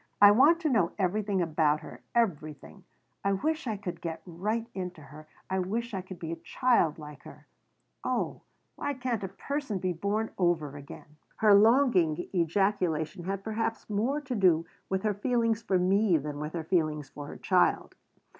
"I want to know everything about her. Everything. I wish I could get right into her. I wish I could be a child like her. Oh, why can't a person be born over again?" Her longing ejaculation had perhaps more to do with her feelings for me than with her feelings for her child.